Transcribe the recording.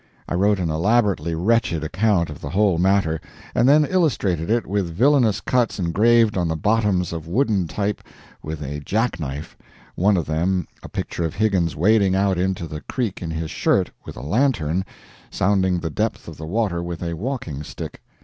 I wrote an elaborately wretched account of the whole matter, and then illustrated it with villainous cuts engraved on the bottoms of wooden type with a jackknife one of them a picture of Higgins wading out into the creek in his shirt, with a lantern, sounding the depth of the water with a walking stick.